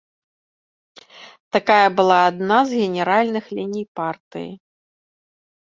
Такая была адна з генеральных ліній партыі.